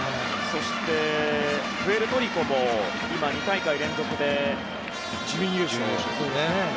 そしてプエルトリコも今２大会連続で準優勝です。